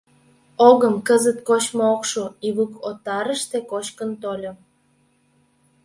Огым, кызыт кочмо ок шу: Ивук отарыште кочкын тольым.